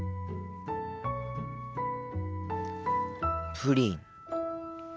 プリン。